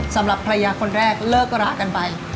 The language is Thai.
สำหรับภรรยาคนแรกเลิกรากันไป